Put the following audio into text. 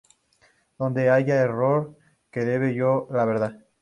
Donde haya error, que lleve yo la Verdad.